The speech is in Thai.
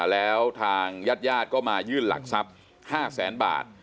แล้วทางญาติญาติก็มายื่นหลักทรัพย์๕แสนบาท